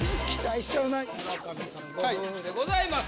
村上さんご夫婦でございます。